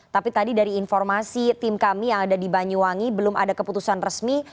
tapi tadi dari informasi tim kami yang ada di banyuwangi belum ada keputusan resmi